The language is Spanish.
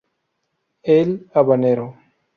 El Habanero